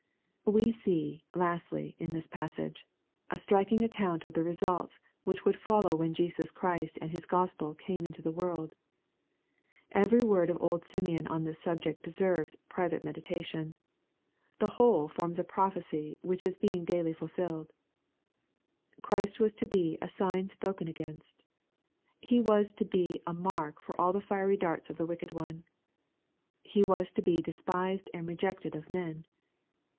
We see, lastly, in this passage, a striking account of the results which would follow when Jesus Christ and His Gospel came into the world. Every word of old Simeon on this subject deserves private meditation. The whole forms a prophecy which is being daily fulfilled. Christ was to be '^ a sign spoken against." He was to be a mark for all the fiery darts of the wicked one. He was to be " despised and rejected of men."